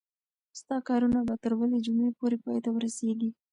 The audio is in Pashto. ستا کارونه به تر بلې جمعې پورې پای ته ورسیږي.